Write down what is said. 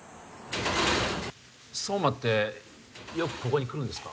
壮磨ってよくここに来るんですか？